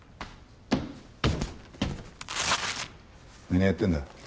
何やってんだ？